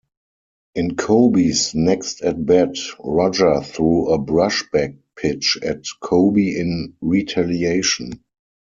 In Koby's next at bat, Roger threw a brushback pitch at Koby in retaliation.